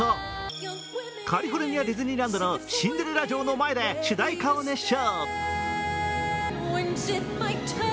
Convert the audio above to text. カリフォルニア・ディズニーランドのシンデレラ城の前で主題歌を熱唱。